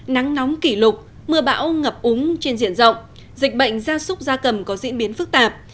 nắng nóng kỷ lục mưa bão ngập úng trên diện rộng dịch bệnh gia súc gia cầm có diễn biến phức tạp